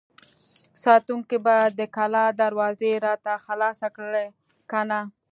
ساتونکي به د کلا دروازه راته خلاصه کړي که نه!